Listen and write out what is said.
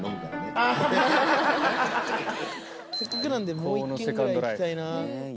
せっかくなんでもう１軒ぐらい行きたいな。